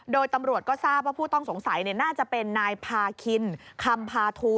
โดยตำรวจก็ทราบว่าผู้ต้องสงสัยน่าจะเป็นนายพาคินคำพาทู